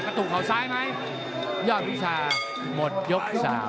กระตุกเขาซ้ายไหมยาววิชาหมดยก๓